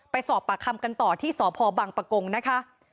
ไปสอบปากคำกันต่อที่สพบังปะกงนะคะ